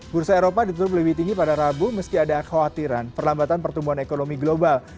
bursa eropa ditutup lebih tinggi pada rabu meski ada kekhawatiran perlambatan pertumbuhan ekonomi global